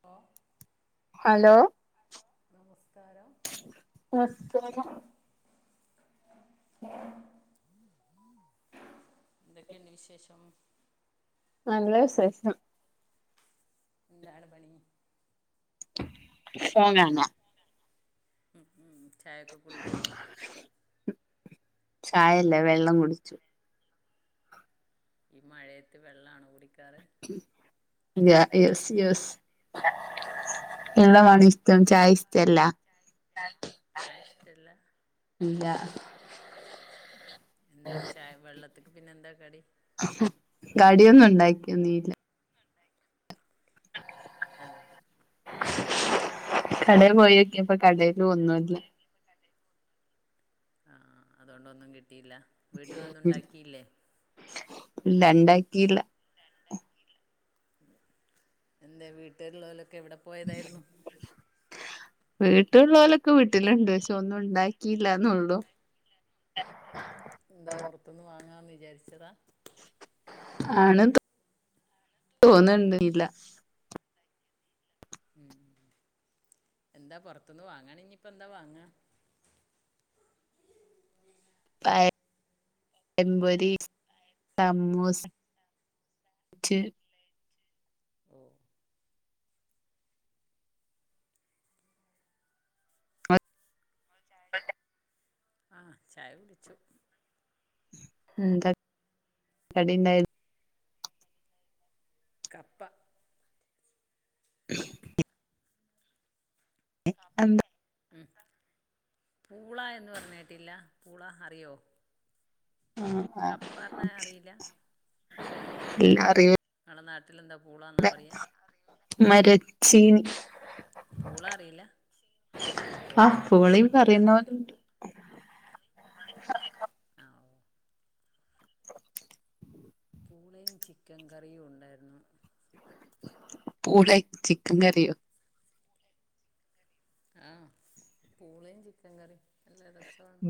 ഓ hello നമസ്കാരം [unintelligible] ന്തെക്കെണ്ടി വിശേഷം നല്ല വിസേഷാ ന്താണ് പണീ ഫോ കാണാ ഉം ഉം ചായൊക്കെ കുടിച്ചോ ചായല്ല വെള്ളംകുടിച്ചു ഈ മഴയത്ത് വെള്ളാണോ കുടിക്കാറ് യ്യായെസ് യെസ് എള്ളമാണ് ഇസ് റ്റംചായിസ് റ്റല്ല ചായഷ്റ്റെല്ല ഇല്ലാ എന്തേപോ ചായവെള്ളത്ത്ക്ക് പിന്നെന്താ കടി അഹും കടിഒന്നുണ്ടാക്കിയൊന്നീല്ല [unintelligible] ആഹ് കടേ പോയോക്യപ്പോ കടേല് ഒന്നുല്ല ആഹ് ആഹ് അതൊണ്ടൊന്നും കിട്ടീല്ലാ വീട്ട്ലൊന്നുണ്ടാക്കീല്ലേ ല്ല ണ്ടാക്കീൽ എന്തെ വീട്ട്ൽള്ളോലൊക്കെ എവ്ടെ പോയതായ്‌ര്ന്നു വീട്ട്ൽള്ളോലക്ക വീട്ടില്ണ്ട് ക്ഷെ ഒന്നു ണ്ടാക്കില്ലാന്നൊള്ളു [unintelligible] ന്താ പൊറത്ത്ന്ന് വാങ്ങാന്ന് വിജാര്ച്ചതാ ആണ് തോന്ന്ണ്ട് ല്ല മ്മ് എന്താ പോറത്ത്ന്ന് വാങ്ങണെ ഇൻഞ്ഞിപ്പോ എന്താ വാങ്ങാ പഴംബോരി സമൂസ് റ്റ് ഓഹ് പണ്ടെ [unintelligible] ആഹ് ചായ കുടിച്ചു എന്താ കടി ഇണ്ടായത് കപ്പ [unintelligible] കപ്പേ എന്താ പൂള എന്ന് പറഞ്ഞട്ടില്ലാ പൂള അറിയോ കപ്പ പറഞ്ഞാ അറിയിലാ ഇല്ല അറിയും ഇങ്ങളെ നാട്ടിലെന്താ പൂളാന്നാ പറയിയ മരച്ചീനി പൂള അറിയില്ലാ ഓ ആഹ് പൂളി മരച്ചീനി പറയുന്ന അതെന്നെ പോലുണ്ട് ആഹ് ഓ പൂളേം ചിക്കൻ കറിയും ഉണ്ടായിരുന്നു പൂളേം ചിക്കൻ കറിയോ ആഹ് പൂളയും ചിക്കൻ കറിയും നല്ല രസ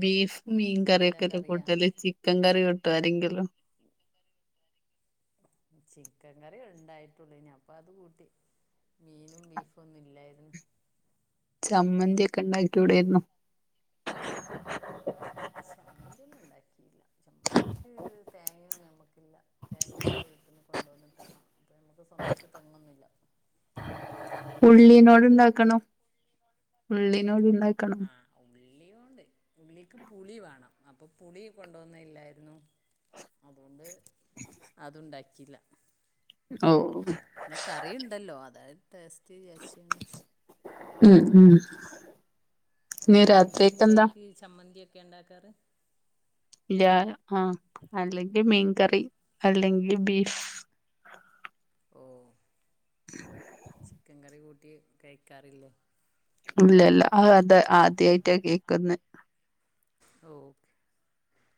ബീഫ് മീൻ കറിയൊക്കല്ലേ കൂട്ടല് ചിക്കൻ കറി കൂട്ടോ ആരെങ്കിലും ഉ [unintelligible] ചിക്കൻ കറി ഉണ്ടായിട്ടുള്ളേനി അപ്പം അത് കൂട്ടി മീനും ബീഫും ഒന്നും ഇല്ലായിരുന്നു ചമ്മന്തി ഒക്കെ ഉണ്ടാക്കിയുടാര് ന്നോ [unintelligible] ചമ്മന്തി ഒന്നും ഉണ്ടാക്കിയില്ല ചമ്മന്തിക്ക് തേങ്ങന്നും നമ്മക്കില്ല തേങ്ങയൊക്കെ വീട്ട്ന്ന് കൊണ്ടോന്ന്ട്ടാണം അപ്പോ നമക്ക് സ്വന്തായിട്ട് തെങ്ങൊന്നുല്ല അതുകൊണ്ട് പിന്നെ ചമ്മന്തി ഒന്നും ഉണ്ടാക്കിയില്ല ഉള്ളി നോട് ആഹ് ഉള്ളിയോണ്ട് ഉള്ളിക്ക് പുളി വേണം അപ്പൊ പുളി കൊണ്ടോന്നെ ഇല്ലായിരുന്നു അതോണ്ട് അതുണ്ടാക്കില്ല ഔ പിന്നാ കറിയുണ്ടല്ലോ അതായത് ടേസ്റ്റ് വിചാരിചാണ്ട് ഉം ഉം ഇനി ളങ്ങള് രാത്രിക്ക് എന്താ പൂളെക്ക് ചമ്മന്തി ഒക്കെ ഉണ്ടാക്കാറ് ഇല്ലാ ആഹ് അല്ലങ്കി മീൻകറി അല്ലങ്കി ബീഫ് ഓഹ് ചിക്കൻ കറി കൂട്ടി കഴിക്കാറില്ലേ ഇല്ലല്ല അത് ആദ്യായിട്ടാ കേക്കുന്നെ ഓക്ക്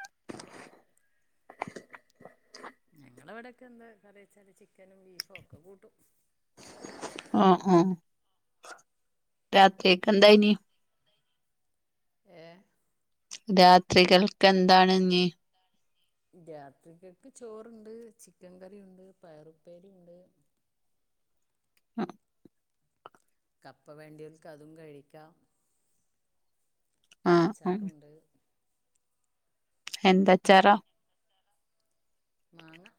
[unintelligible] ഞങ്ങളെവിടൊക്കെ എന്താ കറിച്ചാല് ചിക്കനും ബീഫും ഒക്ക കൂട്ടും ആഹ് ആഹ് രാത്രിക്കെന്തായിന് ഏഹ് രാത്രികൾ രാത്രികൾ ക്കെന്താണ്? രാത്രിക്കക്ക് ചോറുണ്ട് ചിക്കൻകറിയുണ്ട് പയറുപ്പേരിയുണ്ട് ആഹ് കപ്പ വേണ്ടിയോൽക്ക് അതും കഴിക്കാം. ആഹ് ആഹ് അച്ചാറുണ്ട്. എന്തച്ചാറാ?. മാങ്ങ-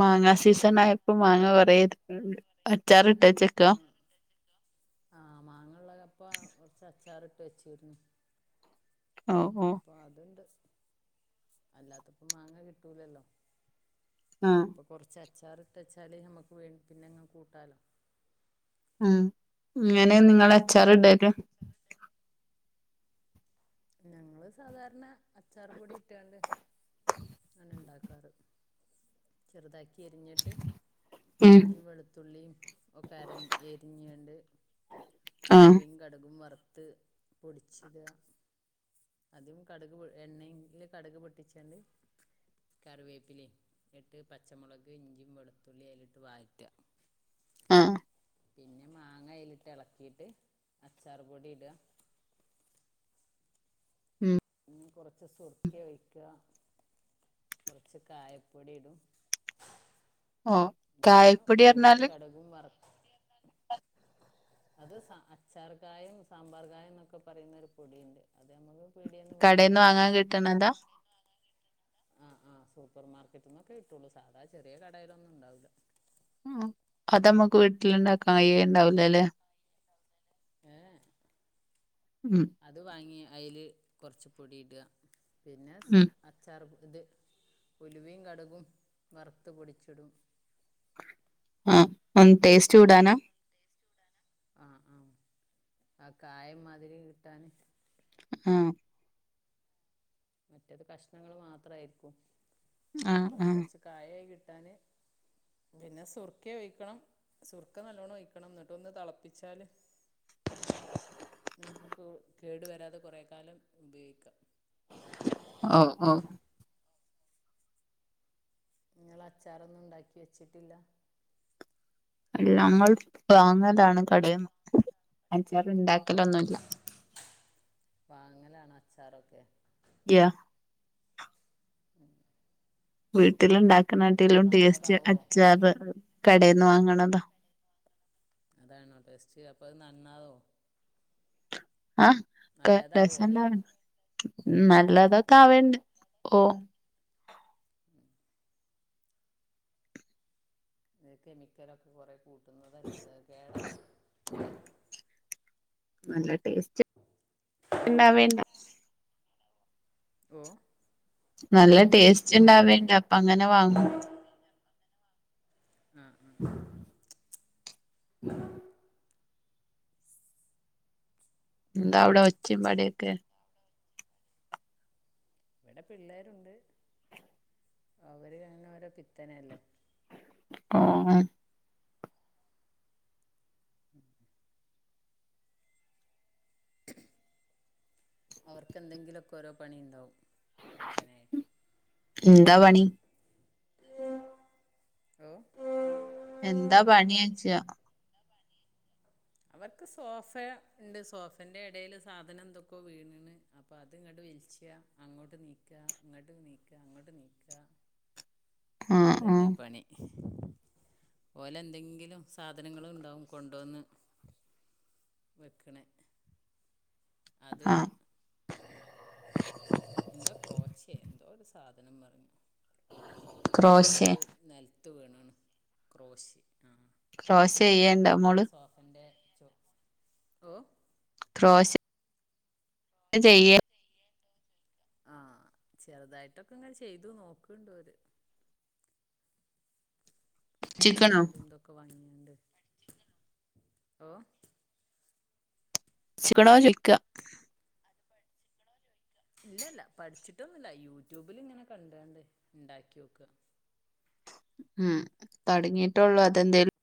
മാങ്ങാ സീസൺ ആയപ്പോ മാങ്ങ കൊറേ എടുത്തുങ്ങാണ്ട് അച്ചാറിട്ടേച്ച്ക്കാ ആഹ് മാങ്ങള്ളെപ്പ കുറച്ച് അച്ചാറിട്ട് വെച്ചിരുന്നു. ഓഹ് ഓഹ് അപ്പോ അതൂണ്ട് അല്ലാത്തപ്പോ മാങ്ങ കിട്ടൂലല്ലോ? ആഹ് അപ്പൊ കൊറച്ച് അച്ചാറിട്ടെച്ചാല് ഞമ്മക്ക് വേ പിന്നെങ്ങനെ കൂട്ടാലോ ഉം എങ്ങനെ നിങ്ങള് അച്ചാർ ഇടല്? ഞങ്ങള് സാധാരണ അച്ചാർ പൊടി ഇട്ട്യാണ്ട് അങ്ങനാ ഇണ്ടാക്കാറ്. ചെറുതാക്കിയരിഞ്ഞിട്ട് ഉം ഇഞ്ചിം വെളുത്തുള്ളിയും. ഒക്കെ അരഞ്ഞ എരിഞ്ഞാണ്ട് ആഹ് ഉലുവയും കടുകും വറുത്ത് പൊടിച്ചിടാ അതും കടുക് പൊ എണ്ണയില് കടുക് പൊട്ടിച്ചാണ്ട് കറിവേപ്പിലേം എന്നിട്ട് പച്ചമുളക് ഇഞ്ചീം വെളുത്തുള്ളിയും അയിലിട്ട് വാറ്റ ആഹ് പിന്നെ മാങ്ങ അയിലിട്ട് എളക്കിയിട്ട് അച്ചാർപൊടി ഇടാ- ഉം. പിന്നെ കൊറച്ച് സുർക്ക്യ ഒഴിക്ക- കൊറച്ച് കായപ്പൊടി ഇടും- ഓ പിന്നെ കായപ്പൊടി ഉലുവയും പറഞ്ഞാല് കടകും വറ അത് സ അച്ചാർക്കായം സാമ്പാർ കായന്നൊക്കെ പറയുന്നൊരു പൊടിയുണ്ട് അതിയമ്മള് പീട്യേന്ന് വാങ്ങാൻ കടേന്ന് കിട്ടും. കിട്ടണതാ ആഹ് ആഹ് സൂപ്പർ മാർക്കറ്റ്ന്നൊക്കെ കിട്ടുള്ളു സാധാ ചെറിയ കടയിലൊന്നും ഉണ്ടാവൂല്ല. അഹ് അതമ്മക്ക് വീട്ടിലിണ്ടാക്കാൻ കയ്യല്ണ്ടാവൂലല്ലേ? എഹ് ഉം അത് വാങ്ങി അയില് കൊറച്ച് പൊടി ഇടാ- പിന്നെ സ് ഉം അച്ചാർ ഇത് ഉലുവയും കടുകും വറുത്ത് പൊടിച്ചിടും. ആഹ് ഒന്ന് ടേസ്റ്റ് കൂടാനാ? ആഹ് ആഹ് ആ കായം മധുരി കിട്ടാന്- ആഹ്. മറ്റേത് കഷണങ്ങൾ മാത്രായിരിക്കും ആഹ് അപ്പത് ആഹ് കുറച്ച് കായായി കിട്ടാന് പിന്നെ സുർക്ക്യ ഒയിക്കണം സുർക്ക നല്ലോണ്ണം ഒയിക്കണം എന്നിട്ട് ഒന്ന് തെളപ്പിച്ചാല് നമുക്ക് കേടു വരാതെ കൊറെ കാലം ഉപയോഗിക്കാം. ഓഹ് ഓഹ്. നിങ്ങളച്ചാറൊന്നും ഉണ്ടാക്കി വെച്ചിട്ടില്ല? അല്ലമ്മൾ വാങ്ങതാണ് കടേന്ന് അച്ചാറണ്ടാ ഓഹ് വാങ്ങലാണോ അച്ചാറൊക്കെ? യാ. ഉം വീട്ടിലുണ്ടാക്കെണെട്ടിലും ടേസ്റ്റ് നന്നതാവോ അച്ചാറ് കടേന്ന് വാങ്ങണെതാ. അതാണോ ടെസ്റ്റ് അപ്പത് നന്നാവോ? ആഹ് ഒക്കെ നല്ലതാവോ രസണ്ടാവ് നല്ലതൊക്കെ ഓ ആവേണ്ട് ഓഹ് അത് കെമിക്കലൊക്കെ കൊറെ കൂട്ടുന്നതല്ലെ അതൊക്കേട നല്ല ടേസ്റ്റ്ണ്ടാവേണ്ടേ. ഓഹ് നല്ല ടേസ്റ്റ് ഉണ്ടാവേണ്ടേ അപ്പ അങ്ങനെ വാങ്ങും. ആഹ് ആഹ്. ഉം എന്താ അവിടെ ഒച്ചിമ്പാടൊക്കെ? ഇവിടെ പിള്ളേരുണ്ട് അവര് അങ്ങനെ ഓരോ പിത്തന അല്ലേ [unintelligible] ഉം അവർക്ക്എന്തെങ്കിലുമൊക്കെ ഓരോ പണിയ ഉണ്ടാാവും, [unintelligible] എന്താ പണി? ഓ [unintelligible] എന്താ പണി ന്ന് ചോദിച്ചതാ. അവർക്ക് സോഫ ഉണ്ട് സോഫേൻറെ ഇടൽ സാധനം എന്തൊക്കെയ വീണണ് അപ്പോം അത് ഇങ്ങോട്ട് വിളിച്ചുക അങ്ങോട്ട് നീക്കുക ഇങ്ങോട്ട് നീക്കുക അങ്ങോട്ട് നീക്കുക ആഹ് അതന്നെ ആഹ് പണി. പോലെ എന്തെങ്കിലും സാധനങ്ങളും ഉണ്ടാവും കൊണ്ടുവന്ന് വെക്കണ അത് ആഹ് എന്താ ക്രോശയേ എന്തോ ഒരു സാധനം പറഞ്ഞു ക്രോശേ അത് നൽ എത്ത് വീണാണ് ക്രോശ് ആ ക്രോശ ചെയ്യണ്ടോ അത് മോള് സോ എന്റെ ചോ ഓ? ക് [unintelligible] ചെയ ആഹ ചെറുതായിട്ടൊക്കെ ഇങ്ങെ ചെയ്തു നോക്കണ്ടോ അവര്. എന്റെ ചിക്കണോ നൂല ഇന്തൊക്കെ വങ്ങിയണ്ട് ഓ,? ച്ചിക്കൻ ആണോ ന്ന് ചോദിക്കുവാ ഇല്ല ഇല്ല പഠിച്ചിട്ടൊന്നുമില്ല യൂട്യൂബിൽിങ്ങനെ കണ്ടണ്ട് ഉണ്ടാക്കി നോക്കുവാ. ഉം തടങ്ങിട്ടള്ളൂ അതെന്തേലും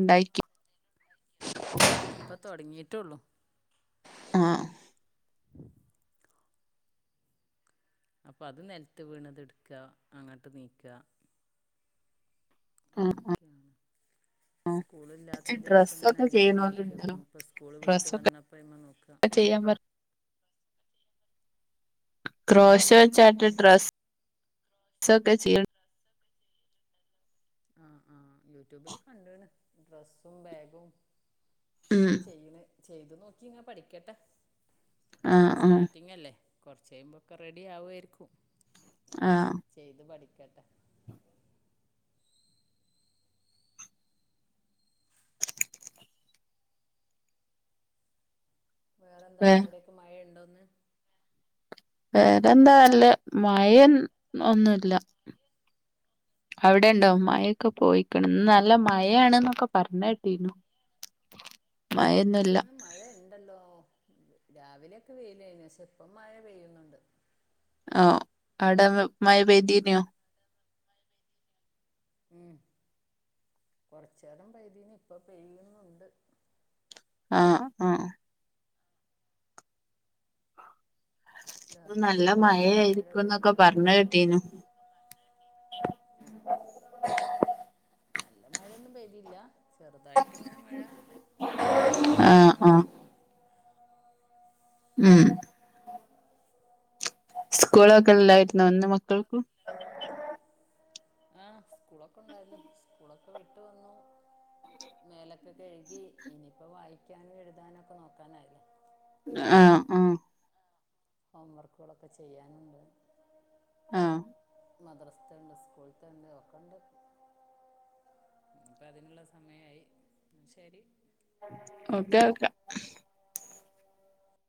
ഉണ്ട ഇല്ല, ഇപ്പൊ തുടങ്ങിയിട്ടുള്ളു. ആഹ അപ്പൊ അത് നിലത്ത് വീണത എടുക്കുക അങ്ങോട്ട് നീക്കുക ആഹ് ആഹ് ഒക്കെയാണ് സ്കൂളില്ലാത്ത ദിവസം ഇങ്ങനെ ഡ്രസ്സൊക്കെ അതിന്മേൽ ചെയ്യണോലുണ്ടല്ലോ നോക്കും ഇപ്പ സ്കൂള് വിട്ട് ഡ്രസ്സൊക്കെ വന്നപ്പോ അതിന്മേൽ നോക്ക. ചെയ്യാൻ പറ ഉം ഗ്രോഷർ ചാട്ടേഡ ട്രസ്റ്റ് ക്കെ ചെയഡ്. ആഹ് ആ യൂട്യൂബില് കണ്ടണ് ഡ്രസ്സും ബാഗും ഉം ഇപ്പൊ ചെയ്യണ് ചെയ്തു നോക്കി ങ്ഞാൻ പഠിക്കട്ടെ, ! ആഹ് ഇപ്പ ആഹ് സ്റ്റാർട്ടിങ് അല്ലേ കുറച്ച കഴിയുമ്പോൊക്കെ റെഡി ആവുായിരിക്കും ആഹ ചെയ്തു പഠിക്കട്ടെ. [inaudible] വേറെ വേ എന്താണ് അവിടൊക്കെ മഴയുണ്ടോന്ന്? വേറെന്താല്ലേ, മഴ ഒന്നുമില്ല. അവിടെ ഉണ്ടോ മ മഴയൊക്കെ പോയിക്കണം നല്ല മഴയാണ്ന്നൊക്കെ പറഞ്ഞ കേട്ടീന്നു. ഇന്ന് മഴ ഉണ്ടല്ലോ രാവിലെയൊക്കെ പെയ്ലന്നെ, ഇപ്പോ മഴ പെയ്യുന്നുണ്ട്. ആഹ അവിടെ മഴ പെയ്തതിനോ? ഉം കൊറച് നേരം പെയ്തു, ഇപ്പൊ പെയ്യുന്നുണ്ട്. ആഹ ആഹ ഇന്ന് നല്ല രാത്രിയൊക്കൊയിരിക്കും മഴ മഴയായിരിക്കും എന്നൊക്കെ പെയ്യാണെന്ന് പറഞ്ഞ് തോന്നുന്നുണ്ട്. കേട്ടീനു ഉം നല്ല മഴയൊന്നും പെയ്തില്ല. ചെറുതായിട്ട് ഇങ്ങനെ മഴ ആഹ് വരുന്നുണ്ട്. ആഹ് ഉമ് സ്കൂൾ ഒക്കെ ഇല്ലാരുന്നോ ഇന്ന് മക്കൾക്കു? ആഹ് സ്കൂളൊക്കെ ഉണ്ടായിരുന്നു, സ്കൂളൊക്കെ വിട്ട് വന്നു. മേലൊക്കെ കഴുകി ഇനിയിപ്പോ വായിക്കാനും എഴുതാനും ഒക്കെ നോക്കാനായി. ആഹ് ആഹ് ഹോം വർക്കുകളൊക്കെ ചെയ്യാനുണ്ട്. ആഹ്. മദ്രസ്ത്തണ്ട് സ്കൂൾത്തണ്ട് ഒക്കണ്ട്. പ്പതിനുള്ള സമയായി ശരി. ഒക്കെ ഒക്കെ.